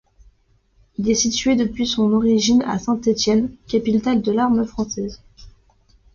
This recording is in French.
Il est situé depuis son origine à Saint-Étienne, capitale de l'arme française.